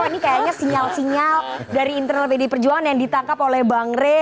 ini kayaknya sinyal sinyal dari internal pdi perjuangan yang ditangkap oleh bang rey